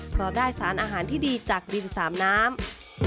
เพราะได้สารอาหารที่ดีจากดินสามน้ำ